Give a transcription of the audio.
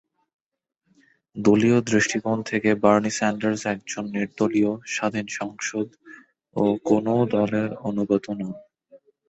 দলীয় দৃষ্টিকোণ থেকে বার্নি স্যান্ডার্স একজন নির্দলীয়, স্বাধীন সাংসদ ও কোনও দলের অনুগত নন।